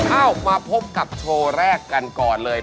เอ้ามาพบกับโชว์แรกกันก่อนเลย